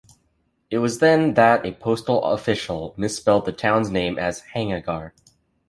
It was then that a postal official misspelled the town's name as "Henagar".